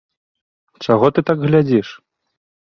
Чаго ты так глядзіш?